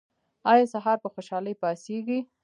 ایا سهار په خوشحالۍ پاڅیږئ؟